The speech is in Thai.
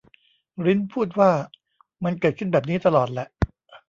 ริ้นพูดว่า มันเกิดขึ้นแบบนี้ตลอดแหละ